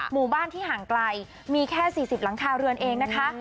หมู่บ้านที่ห่างไกลมีแค่๔๐หลังคาเรือนเองนะคะ